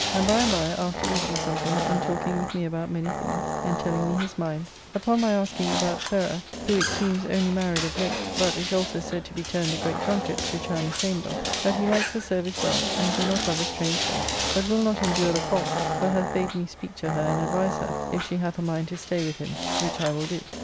And by and by, after eating something, and talking with me about many things, and telling me his mind, upon my asking about Sarah (who, it seems, only married of late, but is also said to be turned a great drunkard, which I am ashamed of), that he likes her service well, and do not love a strange face, but will not endure the fault, but hath bade me speak to her and advise her if she hath a mind to stay with him, which I will do.